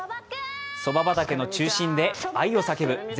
そば畑の中心で愛を叫ぶ全